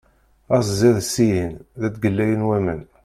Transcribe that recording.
Ɣas zzi-d sihin! Da ttgellayen waman.